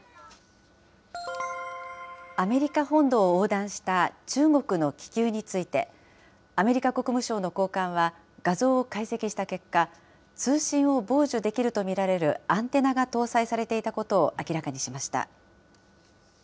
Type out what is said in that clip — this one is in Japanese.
アメリカ本土を横断した中国の気球について、アメリカ国務省の高官は、画像を解析した結果、通信を傍受できると見られるアンテナが搭載されていたことを明らかにしました。